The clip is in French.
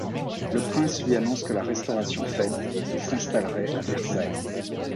Le prince lui annonce que la restauration faite, il s'installerait à Versailles.